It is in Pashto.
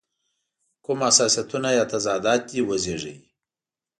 کوم حساسیتونه یا تضادات دې وزېږوي.